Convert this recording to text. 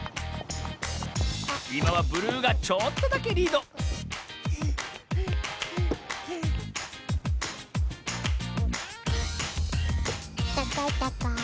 いまはブルーがちょっとだけリードたかいたかい。